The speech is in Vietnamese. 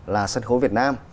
là sân khấu việt nam